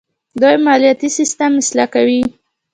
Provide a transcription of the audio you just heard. دوی مالیاتي سیستم اصلاح کوي.